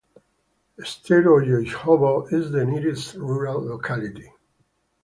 Staroyezhovo is the nearest rural locality.